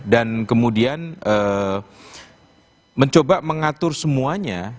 dan kemudian mencoba mengatur semuanya